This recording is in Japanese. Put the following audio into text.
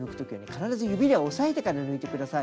必ず指で押さえてから抜いて下さい。